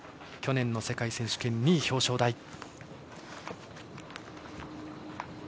去年の世界選手権２位表彰台。